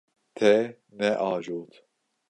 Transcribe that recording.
Te neajot.